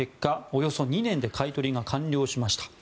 およそ２年で買い取りが完了しました。